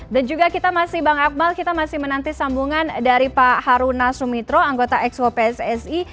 dan juga kita masih bang akmal kita masih menanti sambungan dari pak haruna sumitra anggota exco pssi